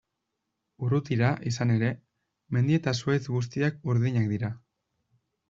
Urrutira, izan ere, mendi eta zuhaizti guztiak urdinak dira.